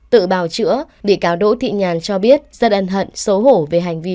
tự bào chữa bị cáo đỗ thị nhàn cho biết rất ân hận xấu hổ về hành vi